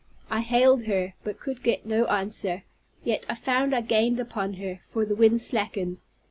I hailed her, but could get no answer; yet I found I gained upon her, for the wind slackened.